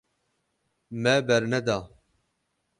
Me berneda.